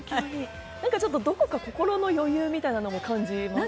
どこか心の余裕みたいなのも感じますよね。